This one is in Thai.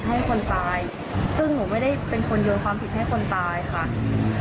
พี่บอกว่าหนูโยนความผิดให้คนตายซึ่งหนูไม่ได้เป็นคนโยนความผิดให้คนตายค่ะ